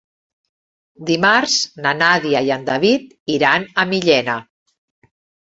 Dimarts na Nàdia i en David iran a Millena.